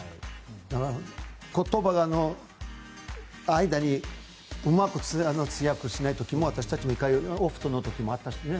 だから、言葉の間にうまく通訳しない時が私たちのオフトの時もあったしね。